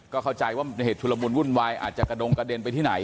ก็เข้าใจว่าเหตุชุลมุนวุ่นวายอาจจะกระดงกระเด็นไปที่ไหน